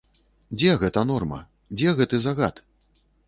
Дзе гэта норма, дзе гэты загад?